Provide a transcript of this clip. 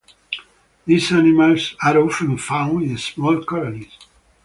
These animals are often found in small colonies.